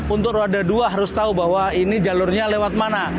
untuk roda dua harus tahu bahwa ini jalurnya lewat mana